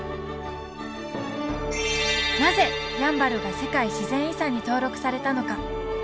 なぜやんばるが世界自然遺産に登録されたのか。